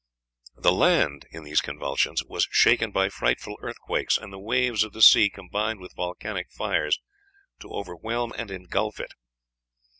"The land," in these convulsions, "was shaken by frightful earthquakes, and the waves of the sea combined with volcanic fires to overwhelm and ingulf it....